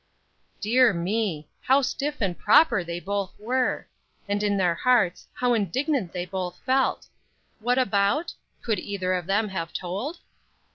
Dear me! how stiff and proper they both were! And in their hearts how indignant they both felt. What about? Could either of them have told?